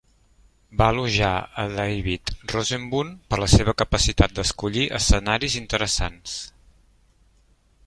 Va elogiar a David Rosenboom per la seva capacitat d'escollir escenaris interessants.